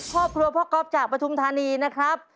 ครอบครัวพ่อก๊อฟจากปฐุมธานีนะครับ